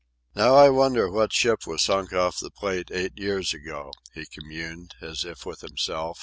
"Now I wonder what ship was sunk off the Plate eight years ago?" he communed, as if with himself.